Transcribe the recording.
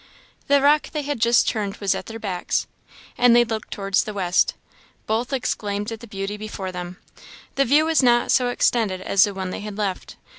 The rock they had just turned was at their backs, and they looked towards the west. Both exclaimed at the beauty before them. The view was not so extended as the one they had left.